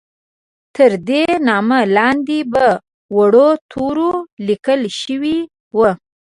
تر دې نامه لاندې په وړو تورو لیکل شوي وو.